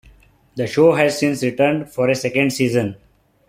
The show has since returned for a second season.